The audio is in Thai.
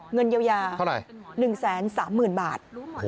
เงินเยียวยา๑๓๐๐๐๐๐บาท